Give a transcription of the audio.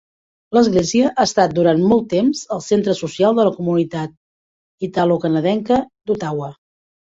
L'església ha estat durant molt temps el centre social de la comunitat italocanadenca d'Ottawa.